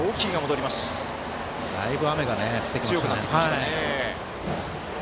だいぶ雨が強くなってきましたね。